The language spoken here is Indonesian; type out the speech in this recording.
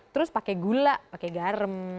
terus pakai gula pakai garam